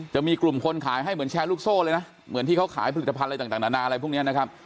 จะมีกลุ่มคนขายให้เหมือนแชร์ลูกโซ่เลยนะเหมือนที่เขาขายผลิตภัณฑ์อะไรต่างนานาอะไรพวกนี้นะครับ